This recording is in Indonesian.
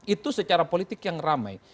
itu secara politik yang ramai